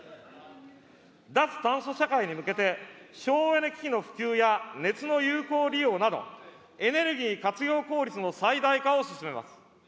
脱炭素社会に向けて、省エネ機器の普及や熱の有効利用など、エネルギー活用効率の最大化を進めます。